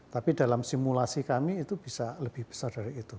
tapi dalam simulasi kami itu bisa lebih besar dari itu